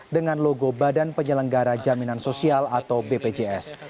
dengan logo badan penyelenggara jaminan sosial atau bpjs